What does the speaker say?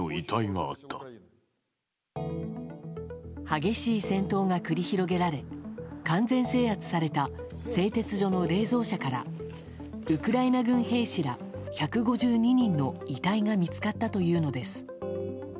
激しい戦闘が繰り広げられ完全制圧された製鉄所の冷蔵車からウクライナ軍兵士ら１５２人の遺体が見つかったというのです。